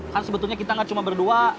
kan sebetulnya kita gak cuma berdua